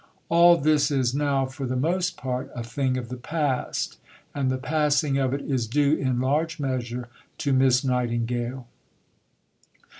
All this is now, for the most part, a thing of the past; and the passing of it is due, in large measure, to Miss Nightingale.